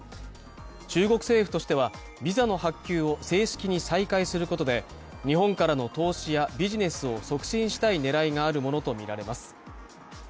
中国政府としては、ビザの発給を正式に再開することで日本からの投資やビジネスを促進したい狙いがあるものとみられます。